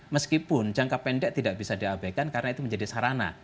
meskipun jangka pendek tidak bisa diabaikan karena itu menjadi sarana